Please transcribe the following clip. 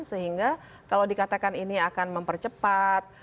sehingga kalau dikatakan ini akan mempercepat